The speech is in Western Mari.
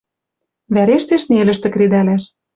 Вӓрештеш нелӹштӹ кредӓлӓш